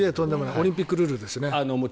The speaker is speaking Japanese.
オリンピックルールですね。